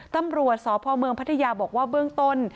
ตำรวจสพเมืองพัทยาบอกว่าเบื้องต้น